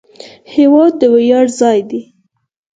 هېواد د ویاړ ځای دی.